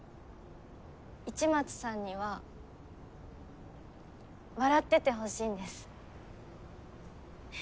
市松さんには笑っててほしいんです。